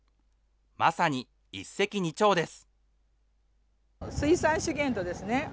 まさに一石二鳥です。